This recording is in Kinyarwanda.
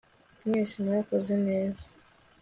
mwese mwakoze neza